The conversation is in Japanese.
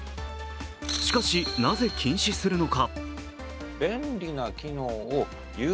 しかし、なぜ禁止するのか？